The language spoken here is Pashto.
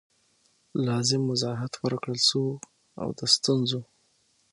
لازم وضاحت ورکړل سو او د ستونزو